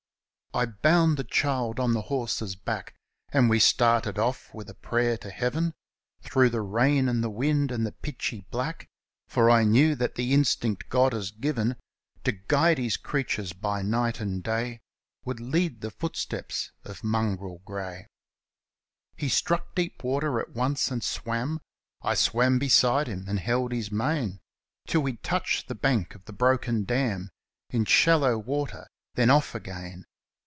I bound the child on the horse's back, And we started off, with a prayer to heaven, Through the rain and the wind and the pitchy black For I knew that the instinct God has given To prompt His creatures by night and day Would guide the footsteps of Mongrel Grey. He struck deep water at once and swam — I swam beside him and held his mane — Till we touched the bank of the broken dam In shallow water; then off again.